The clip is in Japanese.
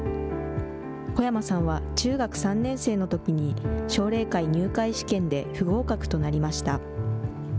小山さんは中学３年生のときに、奨励会入会試験で不合格となりました。